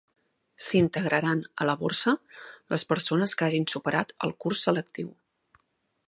S'integraran a la borsa les persones que hagin superat el curs selectiu.